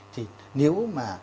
thì nếu mà